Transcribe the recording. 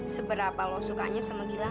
seberapa lo sukanya sama gilang